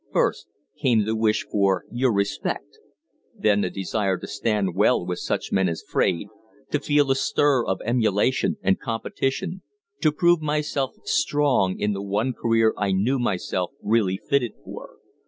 "First came the wish for your respect; then the desire to stand well with such men as Fraide to feel the stir of emulation and competition to prove myself strong in the one career I knew myself really fitted for.